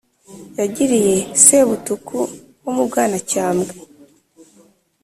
yagiriye Sebutuku wo mu Bwanacyambwe,